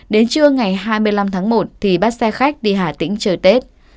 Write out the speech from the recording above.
đến trưa ngày hai mươi năm tháng một thì bắt xe khách đi hà tĩnh trời tết